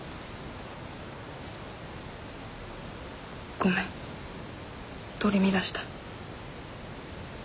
ごめん取り乱した。